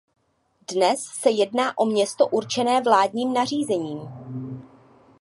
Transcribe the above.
Dnes se jedná o město určené vládním nařízením.